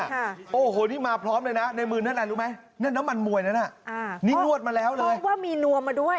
โห้ท่อโพงนี่ตรงไหนนี่ไกลเลยนะฮะ